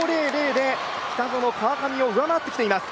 で北園、川上を上回ってきています。